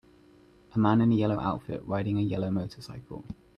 A man in a yellow outfit riding a yellow motorcycle.